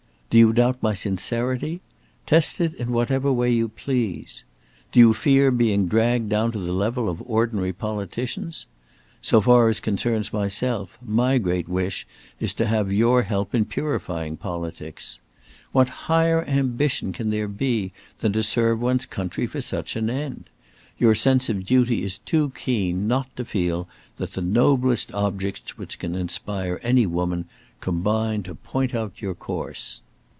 Do you doubt my sincerity? test it in whatever way you please. Do you fear being dragged down to the level of ordinary politicians? so far as concerns myself, my great wish is to have your help in purifying politics. What higher ambition can there be than to serve one's country for such an end? Your sense of duty is too keen not to feel that the noblest objects which can inspire any woman, combine to point out your course."